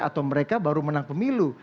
atau mereka baru menang pemilu